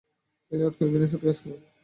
তিনি Lord Kelvin এর সাথে কাজ করেন।